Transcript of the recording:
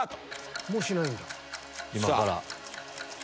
今から。